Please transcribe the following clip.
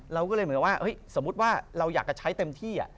เราก็เลยเหมือนว่าสมมุติว่าเราอยากจะใช้เต็มที่